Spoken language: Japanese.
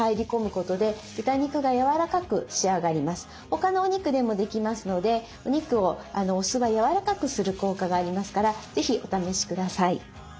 他のお肉でもできますのでお肉をお酢はやわらかくする効果がありますから是非お試しください。